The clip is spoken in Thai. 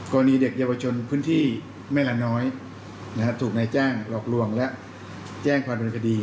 กรณีเด็กเยาวชนพื้นที่แม่ละน้อยถูกนายจ้างหลอกลวงและแจ้งความดำเนินคดี